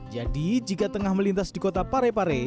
jadi jika tengah melintas di kota parepare